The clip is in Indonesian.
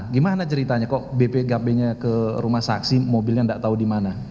gimana ceritanya kok bpkb nya ke rumah saksi mobilnya nggak tahu di mana